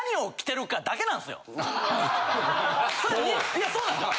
いやそうなんすよ！